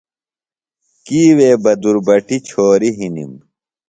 کی وے بہ دُربٹیۡ چھوریۡ ہِنِم۔